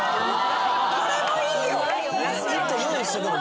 これもいいよ。